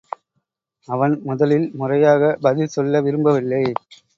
அவன் முதலில் முறையாகப் பதில் சொல்ல விரும்பவில்லை.